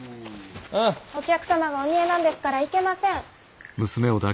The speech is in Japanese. お客様がお見えなんですからいけません。